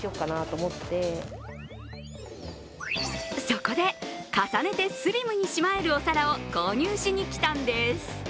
そこで重ねてスリムにしまえるお皿を購入しにきたんです。